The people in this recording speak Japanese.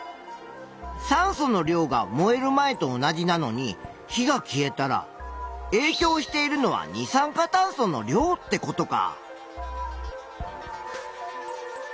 酸素の量が燃える前と同じなのに火が消えたらえいきょうしているのは二酸化炭素の量ってことか。